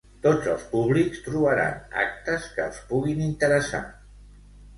Tots els públics trobaran actes que els puguin interessar.